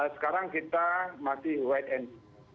sekarang kita masih white and